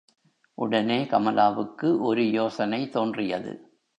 உடனே கமலாவுக்கு ஒரு யோசனை தோன்றியது.